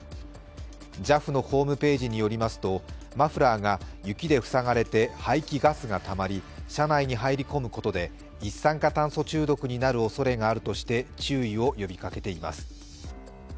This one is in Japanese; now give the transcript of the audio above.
ＪＡＦのホームページによりますと、マフラーが雪で塞がれて排気ガスがたまり、車内に入り込むことで、一酸化炭素中毒になるおそれがあるとして注意を呼びかけています。